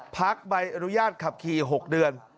พักใบอนุญาตขับขี่หกเดือน